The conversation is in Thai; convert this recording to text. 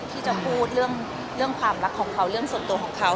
ที่จะพูดเรื่องความรักของเขาเรื่องส่วนตัวของเขา